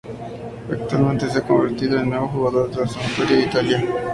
Actualmente se ha convertido en nuevo jugador de la Sampdoria de Italia.